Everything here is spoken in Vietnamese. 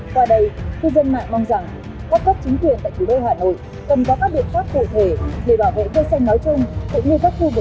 và đây cư dân mạng mong rằng các cấp chính quyền tại thủ đô hà nội cần có các biện pháp cụ thể để bảo vệ cây xanh nói chung cũng như các khu vực cây xanh tự nhiên